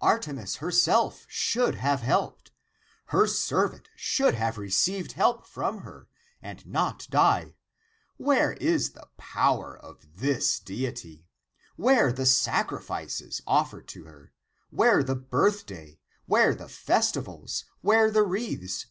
Arte mis herself should have helped. Her servant should have received help from her and not die. Where is the power of the deity? Where the sacrifices (offered to her)? Where the birthday? Where the festivals ? Where the wreaths